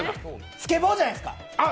スケボーじゃないですか？